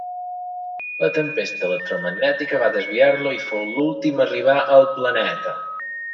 La tempesta electromagnètica va desviar-lo i fou l'últim a arribar al planeta.